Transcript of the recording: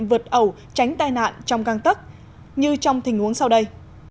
vượt ẩu tránh tai nạn trong căng tấc như trong tình huống sau đây